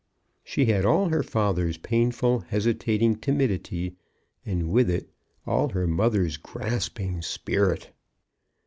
She had all her father's painful hesitating timidity, and with it all her mother's grasping spirit.